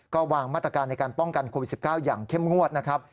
ก็วางมาตรการในการป้องกันโควิด๑๙อย่างเข้มงวดนะครับ